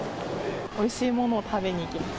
おいしいものを食べに行きます。